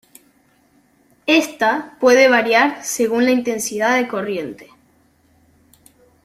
Ésta puede variar según la intensidad de corriente.